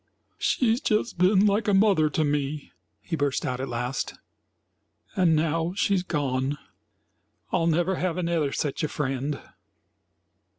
"She's just been like a mother to me," he burst out at last, "and now she's gone. I'll never have another sech a friend."